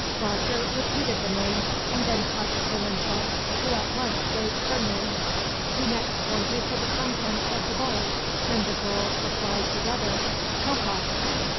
Roger repeated the name, and then touched Malinche, who at once gave her name. He next pointed to the contents of the bowl, and the girls replied together, "Coca."